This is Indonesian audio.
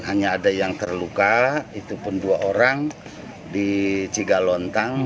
hanya ada yang terluka itu pun dua orang di cigalontang